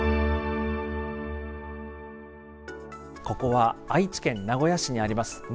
ここは愛知県名古屋市にあります